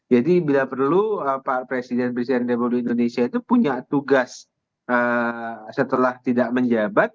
jadi bila perlu pak presiden presiden republik indonesia itu punya tugas setelah tidak menjabat